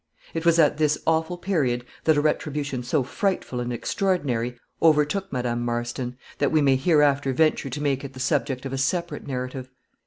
It was at this awful period that a retribution so frightful and extraordinary overtook Madame Marston, that we may hereafter venture to make it the subject of a separate narrative.